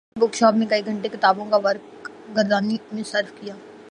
میں نے book shop میں کئی گھنٹے کتابوں کی ورق گردانی میں صرف کئے